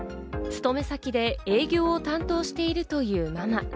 勤め先で営業を担当しているというママ。